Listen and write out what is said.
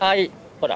ほら。